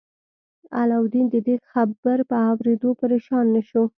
علاوالدین د دې خبر په اوریدو پریشان نه شو.